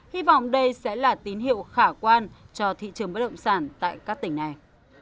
hy vọng đây sẽ là tín hiệu khả quan cho thị trường bất động sản tại các tỉnh này